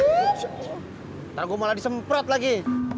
ntar gue malah disemprot lagi